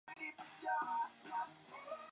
鲁西军政委员会委员。